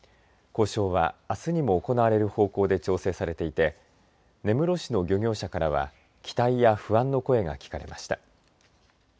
交渉はあすにも行われる方向で調整されていて根室市の漁業者からは期待や不安の声が聞かれました。